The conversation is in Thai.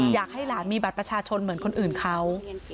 อยากให้หลานมีบัตรประชาชนเหมือนคนอื่นเขา